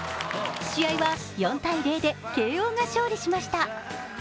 試合は４−０で慶応が勝利しました。